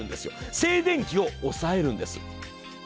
静電気を抑えるんです。